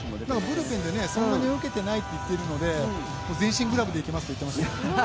ブルペンでそんなに受けてないっていっていたので、全身グラブでいきますと言っていました。